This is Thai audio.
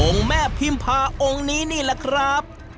แม่พิมพาองค์นี้นี่แหละครับ